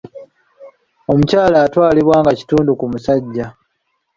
Omukyala atwalibwa nga kitundu ku musajja